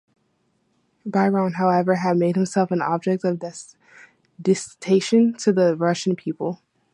Biron, however, had made himself an object of detestation to the Russian people.